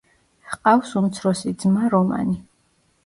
ჰყავს უმცროსი ძმა რომანი.